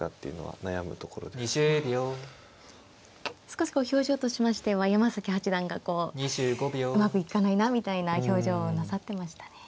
少しこう表情としましては山崎八段がうまくいかないなみたいな表情をなさってましたね。